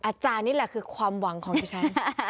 อาจารย์นี่แหละคือความหวังของดิฉัน